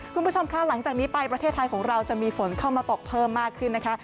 คุณผู้ชมค่ะหลังจากนี้ไปประเทศไทยของเราจะมีฝนเข้ามาตกเพิ่มมากขึ้นนะคะ